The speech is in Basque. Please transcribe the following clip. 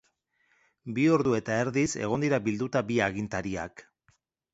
Bi ordu eta erdiz egon dira bilduta bi agintariak.